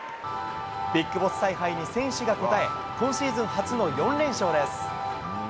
ビッグボス采配に選手が応え、今シーズン初の４連勝です。